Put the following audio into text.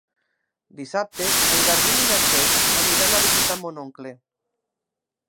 Dissabte en Garbí i na Txell aniran a visitar mon oncle.